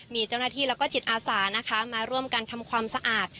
มีเจ้าหน้าที่แล้วก็จิตอาสานะคะมาร่วมกันทำความสะอาด